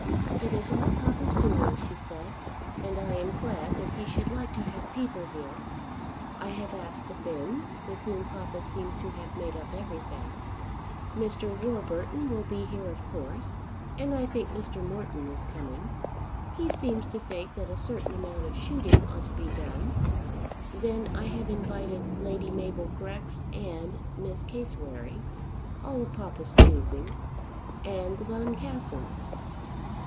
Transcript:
"It is all papa's doing," she said; "and I am glad that he should like to have people here. I have asked the Finns, with whom papa seems to have made up everything. Mr. Warburton will be here of course, and I think Mr. Moreton is coming. He seems to think that a certain amount of shooting ought to be done. Then I have invited Lady Mabel Grex and Miss Cassewary, all of papa's choosing, and the Boncassens.